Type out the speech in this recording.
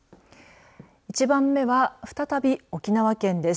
１番目は再び、沖縄県です。